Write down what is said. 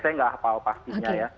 saya nggak hafal pastinya ya